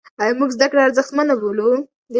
ایا موږ زده کړه ارزښتمنه بولو؟